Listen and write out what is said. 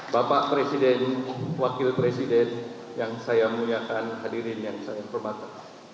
bapak presiden wakil presiden yang saya muliakan hadirin yang saya hormati